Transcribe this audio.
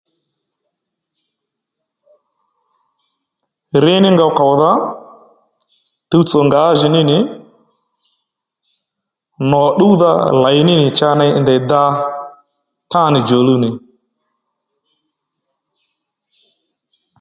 Rí ní ngow kòwdha, tuwtsò ngǎjì ní nì, nò tdúwdha lèy ní nì cha ney ndèy da tán djòluw nì